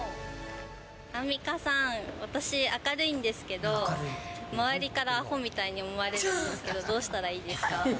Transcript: アンミカさん、私、明るいんですけど、周りからあほみたいに思われるんですけど、どうしたらいいですか？